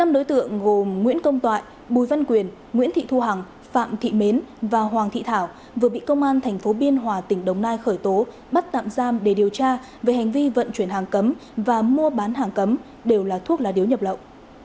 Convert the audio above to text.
năm đối tượng gồm nguyễn công toại bùi văn quyền nguyễn thị thu hằng phạm thị mến và hoàng thị thảo vừa bị công an tp biên hòa tỉnh đồng nai khởi tố bắt tạm giam để điều tra về hành vi vận chuyển hàng cấm và mua bán hàng cấm đều là thuốc lá điếu nhập lậu